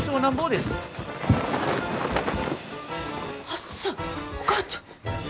はっさお母ちゃん。